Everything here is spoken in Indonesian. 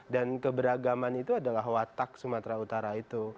dan keberagaman itu adalah watak sumatera utara itu